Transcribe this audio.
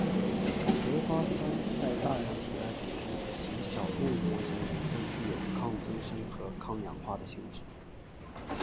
鞣花酸在大量体外组织及小动物模型中都具有抗增生和抗氧化的性质。